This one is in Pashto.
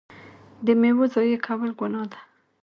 د میوو ضایع کول ګناه ده.